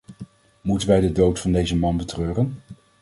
Moeten wij de dood van deze man betreuren?